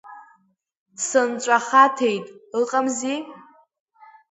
Сынҵәахаҭеит, ыҟамзи?